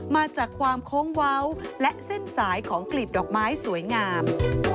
มาจากความโค้งเว้าและเส้นสายของกลิ่นดอกไม้สวยงาม